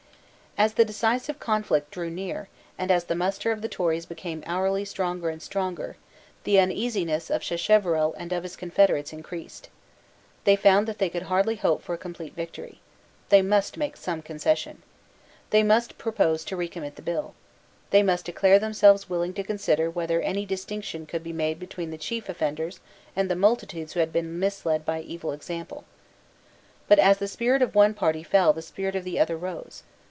As the decisive conflict drew near, and as the muster of the Tories became hourly stronger and stronger, the uneasiness of Sacheverell and of his confederates increased. They found that they could hardly hope for a complete victory. They must make some concession. They must propose to recommit the bill. They must declare themselves willing to consider whether any distinction could be made between the chief offenders and the multitudes who had been misled by evil example. But as the spirit of one party fell the spirit of the other rose.